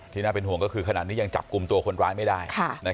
น่าเป็นห่วงก็คือขนาดนี้ยังจับกลุ่มตัวคนร้ายไม่ได้